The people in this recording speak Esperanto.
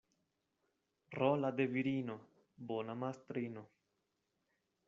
Rola de virino — bona mastrino.